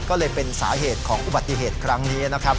ก็เลยเป็นสาเหตุของอุบัติเหตุครั้งนี้นะครับ